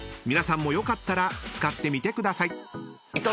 ［皆さんもよかったら使ってみてください］